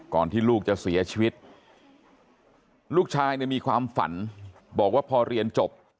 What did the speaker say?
ที่ลูกจะเสียชีวิตลูกชายเนี่ยมีความฝันบอกว่าพอเรียนจบ